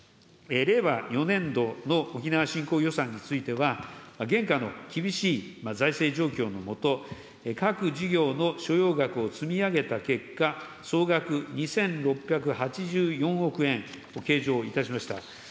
令和４年度の沖縄振興予算については、現下の厳しい財政状況の下、各事業の所要額を積み上げた結果、総額２６８４億円を計上いたしました。